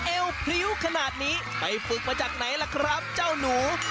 เอวพริ้วขนาดนี้ไปฝึกมาจากไหนล่ะครับเจ้าหนู